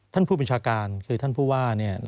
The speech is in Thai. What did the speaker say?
ท่านผู้บัญชาการคือท่านผู้ว่า